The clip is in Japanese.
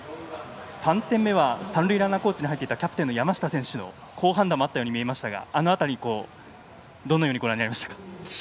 ３点目は三塁ランナーコーチに入っていたキャプテンの山下選手の好判断もあったように思いましたがあの辺り、どのようにご覧になりましたか？